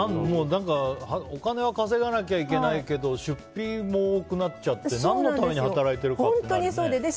お金は稼がなきゃいけないけど出費も多くなっちゃって何のために働いてるかってね。